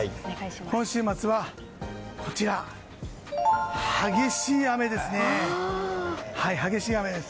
今週末は、激しい雨です。